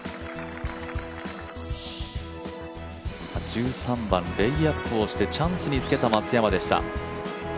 １３番、レイアップをしてチャンスにつけた松山でした